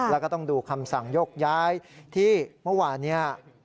แล้วก็ต้องดูคำสั่งยกย้ายที่เมื่อวานนี้